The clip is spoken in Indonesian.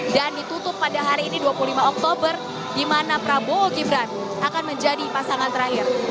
dan ditutup pada hari ini dua puluh lima oktober di mana prabowo gibran akan menjadi pasangan terakhir